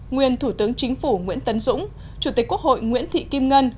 nguyên thủ tướng chính phủ nguyễn tấn dũng chủ tịch quốc hội nguyễn thị kim ngân